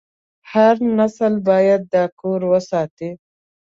هر نسل باید دا کور وساتي.